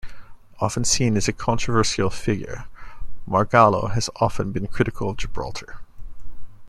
Often seen as a controversial figure, Margallo has often been critical of Gibraltar.